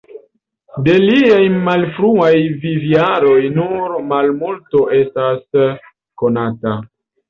De liaj malfruaj vivojaroj nur malmulto estas konata.